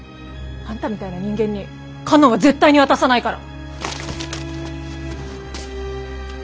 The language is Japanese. あんたみたいな人間に佳音は絶対に渡さないから。